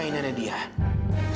biar dia gak sembarangan lagi ma